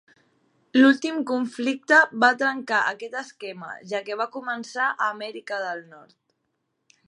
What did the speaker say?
L'últim conflicte va trencar aquest esquema, ja que va començar a Amèrica del Nord.